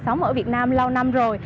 sống ở việt nam lâu năm rồi